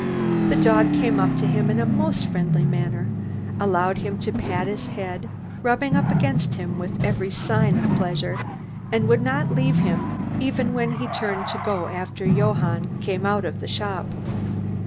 The dog came up to him in a most friendly manner, allowed him to pat its head, rubbed up against him with every sign of pleasure, and would not leave him even when he turned to go after Johann came out of the shop.